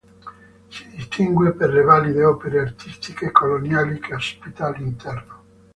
Si distingue per le valide opere artistiche coloniali che ospita all'interno.